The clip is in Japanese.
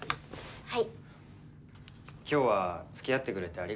はい？